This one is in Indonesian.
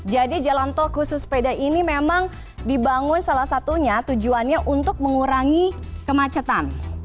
jadi jalan tol khusus sepeda ini memang dibangun salah satunya tujuannya untuk mengurangi kemacetan